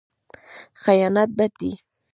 خیانت بد دی.